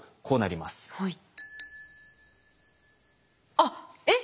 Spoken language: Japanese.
あっえっ！